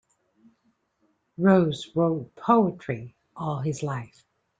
Rowse wrote poetry all his life.